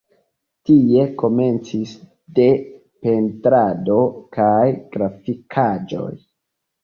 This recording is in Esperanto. Tie komencis de pentrado kaj grafikaĵoj.